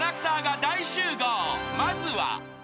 ［まずは］